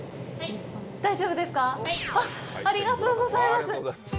ありがとうございます！